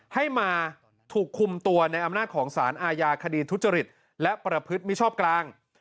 ให้มาถูกคุมตัวในอำนาจของสารอาญาคดีทุจริตและประพฤติมิชอบกลาง